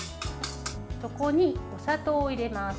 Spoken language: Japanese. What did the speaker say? そこに、お砂糖を入れます。